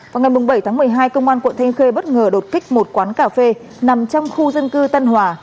vào ngày bảy tháng một mươi hai công an quận thanh khê bất ngờ đột kích một quán cà phê nằm trong khu dân cư tân hòa